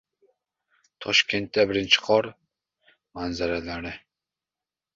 Toshkentda birinchi qor manzaralari